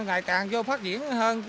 ngày càng cho phát triển hơn